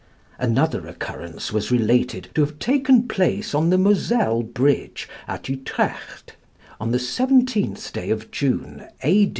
Another occurrence was related to have taken place on the Moselle Bridge at Utrecht, on the 17th day of June, A.